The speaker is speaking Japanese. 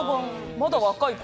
まだ若い頃。